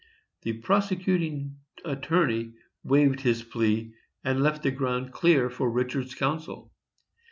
The prosecuting attorney waived his plea, and left the ground clear for Richard's counsel.